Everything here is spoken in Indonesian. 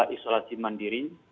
empat puluh dua isolasi mandiri